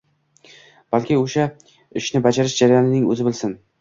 balki o’sha ishni bajarish jarayonining o’zi bo’lsin